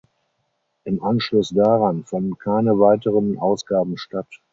Im Anschluss daran fanden keine weiteren Ausgaben statt.